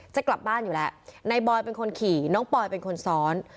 จะกลับบ้านอยู่แล้วนายบอยเป็นคนขี่น้องปอยเป็นคนซ้อน